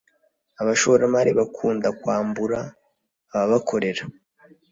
Abashoramari bakunda kwambura ababakorera